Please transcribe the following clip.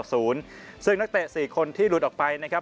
ซึ่งนักเตะ๔คนที่หลุดออกไปนะครับ